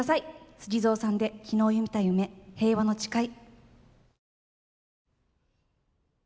ＳＵＧＩＺＯさんで「昨日見た夢平和の誓い」。